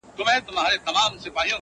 لکه جوړه له بلوړو مرغلینه!.